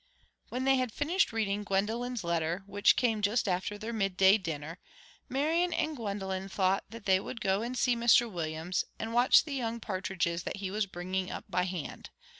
When they had finished reading Gwendolen's letter, which came just after their middle day dinner, Marian and Gwendolen thought that they would go and see Mr Williams, and watch the young partridges that he was bringing up by hand.